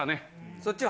そっちが。